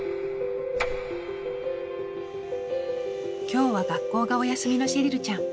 今日は学校がお休みのシェリルちゃん。